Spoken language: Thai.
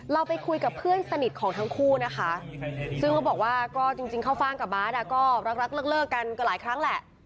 เราไปคุยกับเพื่อนสนิทของทั้งคู่นะคะซึ่งเขาบอกว่าก็จริงข้าวฟ่างกับบาทก็รักเลิกกันก็หลายครั้งแหละ